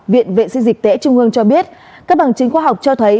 viện vệ sinh dịch tễ trung ương cho biết các bằng chứng khoa học cho thấy